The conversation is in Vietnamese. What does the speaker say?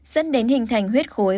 dẫn đến hình thành huyết khối